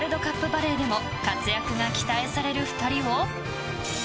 バレーでも活躍が期待される２人を。